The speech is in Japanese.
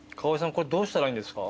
これどうしたらいいんですか？